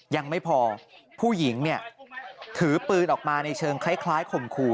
ยังไม่พอผู้หญิงเนี่ยถือปืนออกมาในเชิงคล้ายข่มขู่